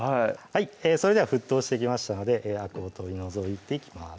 それでは沸騰してきましたのであくを取り除いていきます